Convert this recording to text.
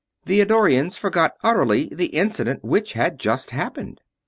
The Eddorians forgot utterly the incident which had just happened.